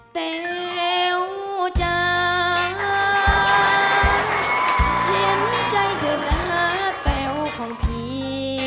เต๋วจ้างเพียงใจเธอนะเต๋วของพี่